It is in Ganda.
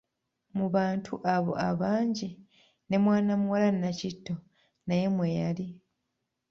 Mu bantu abo abangi ne mwana muwala Nnakitto naye mwe yali.